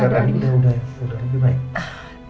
jadi sudah rendy baik